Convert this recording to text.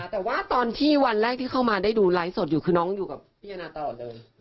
แต่ว่าตอนที่วันแรกที่เข้ามาได้ดูไลฟ์สดอยู่คือน้องอยู่กับพี่แอนนาตลอดเลย